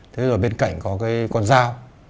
thế rồi bên cạnh có cái con dao